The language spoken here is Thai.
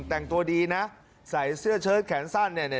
แต่งตัวดีนะใส่เสื้อเชิดแขนสั้นเนี่ยเนี่ย